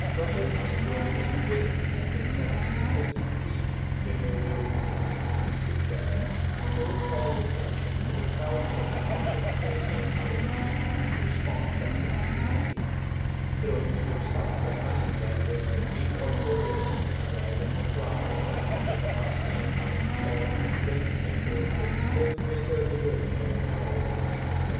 ^ Protests were in vain and, in 1753, Gregorio Mayans y Siscar still called attention to the crowds of half educated students who sponged on the community — drones who sucked the honey while they might be of service in driving a plough or handling a musket — a complaint echoed with still greater vigor by Jove llanos in 1795.